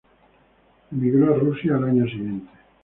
Emigró a Rusia al año siguiente.